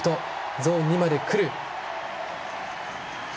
ゾーン２までくる。